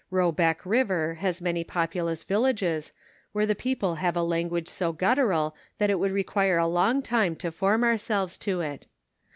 Eobec river has many populous villages, where the people have a language so guftural, that it would require a long time to form ourselves to it.